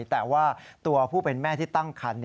แต่ว่าตัวผู้เป็นแม่ที่ตั้งคัน